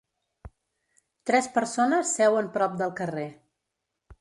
Tres persones seuen prop del carrer.